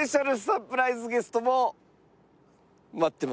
サプライズゲストも。